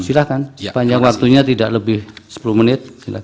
silakan sepanjang waktunya tidak lebih sepuluh menit